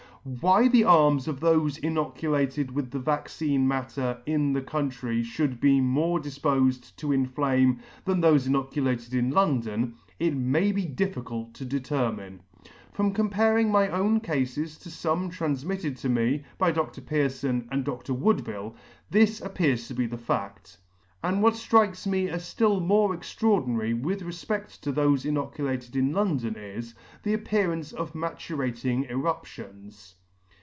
Why the arms of thofe inoculated with the vaccine matter in the country fliould be more difpofed to inflame than thofe inoculated in London, it may be difficult to determine. From comparing my own Cafes with fome tranfmitted to me by Dr. Pearfon and Dr. Woodville, this appears to be the fad : and * Goulard's Extrad of Saturn. what r 135 J what ftrikes me as ftill more extraordinary with refpedt to thofe inoculated in London is, the appearance of maturating eruptions.